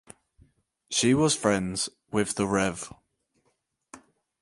She was friends with the Rev.